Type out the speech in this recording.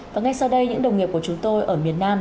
và ngay sau đây những đồng nghiệp của chúng tôi ở miền nam